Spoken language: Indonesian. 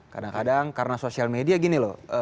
kadang kadang karena sosial media gini loh